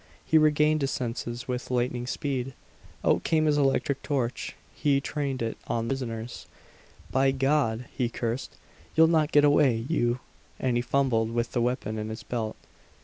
He regained his senses with lightning speed. Out came his electric torch; he trained it on the prisoners. "By God!" he cursed. "You'll not get away, you " And he fumbled with the weapon in his belt.